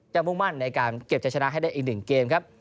จะสมบูรณ์การเก็บชนะให้ได้อีกหนึ่งเกมครับ